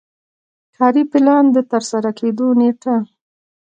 کاري پلان د ترسره کیدو نیټه لري.